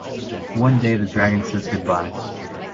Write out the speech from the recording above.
One day the dragon says goodbye.